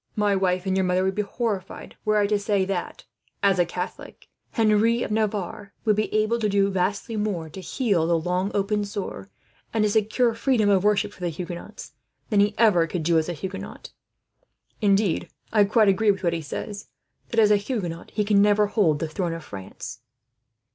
My wife and your mother would be horrified were I to say that, as a Catholic, Henry of Navarre would be able to do vastly more, to heal the long open sore and to secure freedom of worship for the Huguenots, than he ever could do as a Huguenot. Indeed, I quite agree with what he says, that as a Huguenot he can never hold the throne of France."